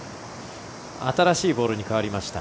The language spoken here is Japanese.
新しいボールに変わりました。